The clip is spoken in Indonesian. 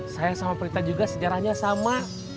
sayang sama prita juga sejarahnya sama